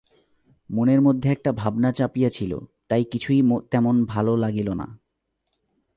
মনের মধ্যে একটা ভাবনা চাপিয়া ছিল, তাই কিছুই তেমন ভালো লাগিল না।